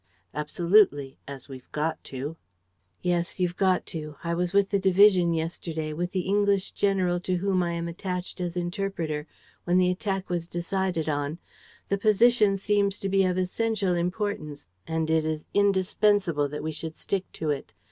"Absolutely, as we've got to." "Yes, you've got to. I was with the division yesterday, with the English general to whom I am attached as interpreter, when the attack was decided on. The position seems to be of essential importance; and it is indispensable that we should stick to it.